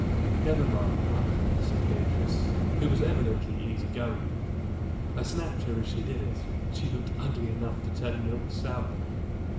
"Never mind, mother," said Beatrice, who was evidently easy going; "I snapped her as she did it and she looked ugly enough to turn milk sour.